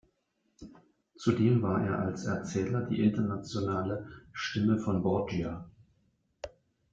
Zudem war er als Erzähler die internationale "Stimme von Borgia".